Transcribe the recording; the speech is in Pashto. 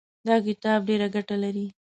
دا کتاب ډېره ګټه لري.